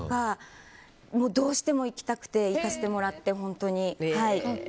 どうしても行きたくて行かせてもらって。